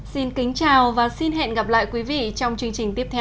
xin kính chào và xin hẹn gặp lại quý vị trong chương trình tiếp theo